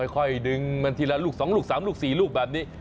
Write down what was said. ค่อยดึงมันทีละลูกสองลูกสามลูกสี่ลูกแบบนี้